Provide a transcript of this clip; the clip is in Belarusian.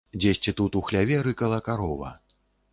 Дзесьці тут у хляве рыкала карова.